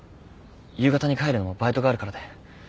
夕方に帰るのもバイトがあるからで。